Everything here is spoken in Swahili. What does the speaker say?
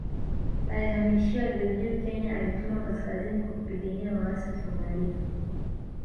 Alihamishiwa Gilgil Kenya alitumwa kaskazini kwa kupigania waasi Wasomalia